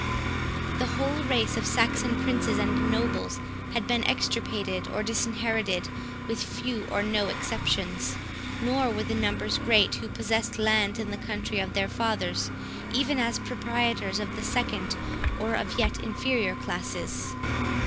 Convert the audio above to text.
The whole race of Saxon princes and nobles had been extirpated or disinherited, with few or no exceptions; nor were the numbers great who possessed land in the country of their fathers, even as proprietors of the second, or of yet inferior classes.